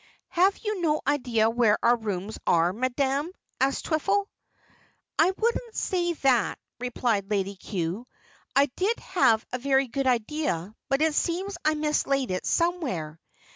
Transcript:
"Have you no idea where our rooms are, Madame?" asked Twiffle. "I wouldn't say that," replied Lady Cue. "I did have a very good idea, but it seems I mislaid it somewhere.